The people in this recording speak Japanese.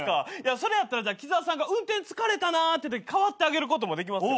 それやったら鬼沢さんが運転疲れたなってとき代わってあげることもできますよ。